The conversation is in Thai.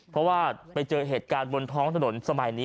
เพราะว่าไปเจอเหตุการณ์บนท้องถนนสมัยนี้